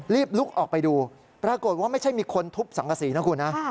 รีบลุกออกไปดูปรากฏว่าไม่ใช่มีคนทุบสังกษีนะคุณนะ